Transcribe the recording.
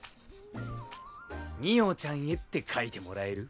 美桜ちゃんへって書いてもらえる？